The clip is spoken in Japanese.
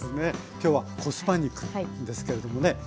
今日は「コスパ肉」ですけれどもね。